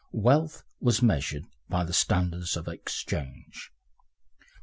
Wealth was measured by the standards of exchange.